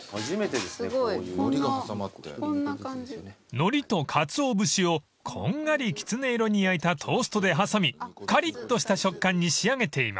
［のりとかつお節をこんがりきつね色に焼いたトーストで挟みかりっとした食感に仕上げています］